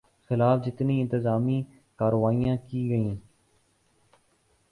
خلاف جتنی انتقامی کارروائیاں کی گئیں